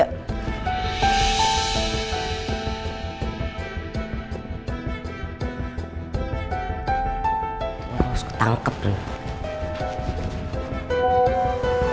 orang langsung ketangkep tuh